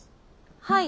はい。